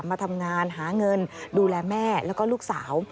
มาทำงานหาเงินดูแลแม่แล้วก็ลูกสาว